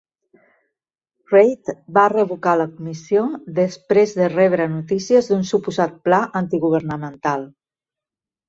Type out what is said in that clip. Reid va revocar la comissió després de rebre notícies d'un suposat pla antigovernamental.